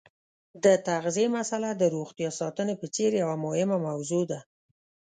د تغذیې مساله د روغتیا ساتنې په څېر یوه مهمه موضوع ده.